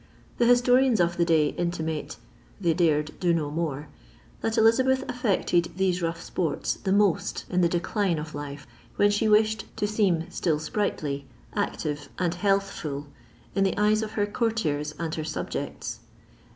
The historians of the day intimate — they dared do no mom — ^that Blinbeth aflected these rough sports ikB most in the dedine of life, when she wished to seem still sprightly Jsctire, and healthfbl, in the •yaa of her courtiers and her subjects.